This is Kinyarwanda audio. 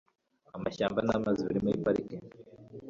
amashyamba namazi biri muri parike